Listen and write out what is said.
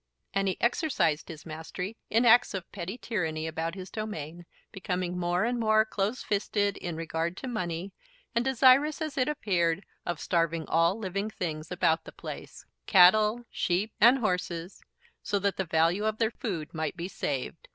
And he exercised his mastery in acts of petty tyranny about his domain, becoming more and more close fisted in regard to money, and desirous, as it appeared, of starving all living things about the place, cattle, sheep, and horses, so that the value of their food might be saved.